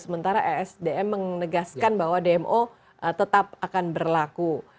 sementara esdm menegaskan bahwa dmo tetap akan berlaku